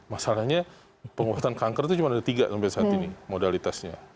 masalahnya penguatan kanker itu cuma ada tiga sampai saat ini modalitasnya